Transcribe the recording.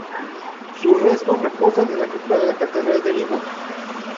Sus restos reposan en la cripta de la Catedral de Lima.